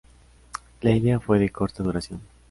La idea fue de corta duración.